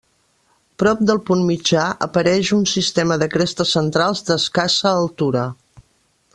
Prop del punt mitjà apareix un sistema de crestes centrals d'escassa altura.